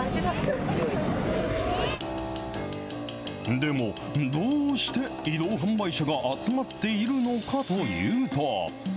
でも、どうして移動販売車が集まっているのかというと。